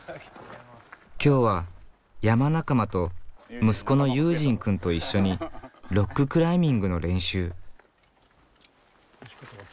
きょうは山仲間と息子の悠仁くんと一緒にロッククライミングの練習。